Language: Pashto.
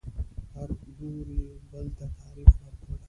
هر لوري بل ته تعریف ورکړ